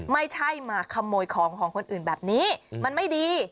ไม่ใช่มาขโมยของของคนอื่นแบบนี้มันไม่ดี